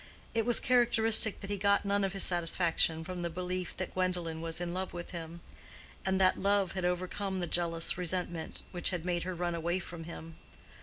It was characteristic that he got none of his satisfaction from the belief that Gwendolen was in love with him; and that love had overcome the jealous resentment which had made her run away from him.